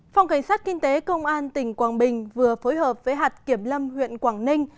phòng cảnh sát kinh tế công an tỉnh quảng bình vừa phối hợp với hạt kiểm lâm huyện quảng ninh